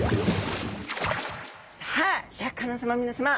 さあシャーク香音さま皆さま。